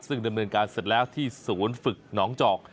ซึ่งดำเนินการเสร็จแล้วที่ศูนย์ฝึกหนองจอก